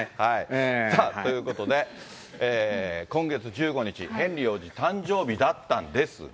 さあ、ということで、今月１５日、ヘンリー王子、誕生日だったんですが。